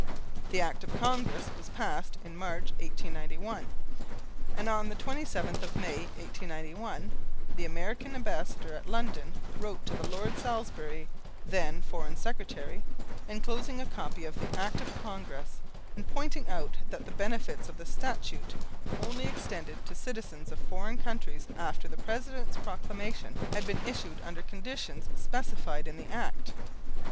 The Act of Congress was passed in March, 1891. On the 27th of May, 1891, the American Ambassador at London wrote to Lord Salisbury, then Foreign Secretary, enclosing a copy of the Act of Congress, and pointing out that the benefits of the Statute only extended to citizens of foreign countries after the President's proclamation had been issued under conditions specified in the Act.